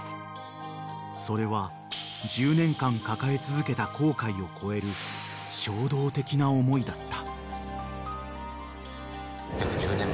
［それは１０年間抱え続けた後悔を超える衝動的な思いだった］